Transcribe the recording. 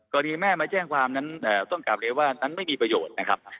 แม่มาแจ้งความนั้นต้องกลับเรียนว่านั้นไม่มีประโยชน์นะครับ